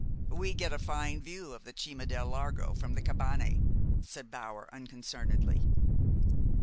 "We get a fine view of the Cima del Largo from the cabane," said Bower unconcernedly.